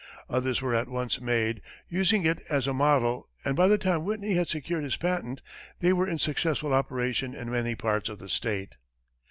Others were at once made, using it as a model, and by the time Whitney had secured his patent, they were in successful operation in many parts of the state.